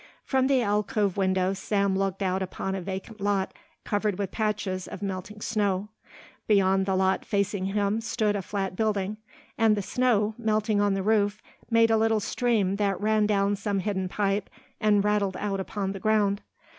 From the alcove window Sam looked out upon a vacant lot covered with patches of melting snow. Beyond the lot facing him stood a flat building, and the snow, melting on the roof, made a little stream that ran down some hidden pipe and rattled out upon the ground.